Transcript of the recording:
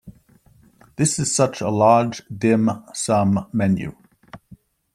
This is such a large dim sum menu.